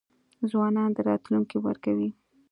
ځوانانو ته راتلونکی ورکوي.